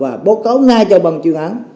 và bố cấu ngay cho bằng truyền hóa